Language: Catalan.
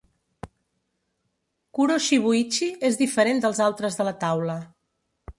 Kuro-Shibuichi es diferent del altres de la taula.